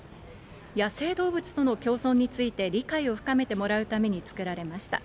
野生動物との共存について理解を深めてもらうために作られました。